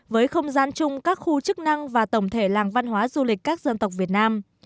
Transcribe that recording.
với không gian chung các khu chức năng và tổng thể làng văn hóa du lịch các dân tộc việt nam